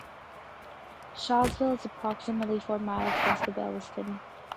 Shawsville is approximately four miles west of Elliston.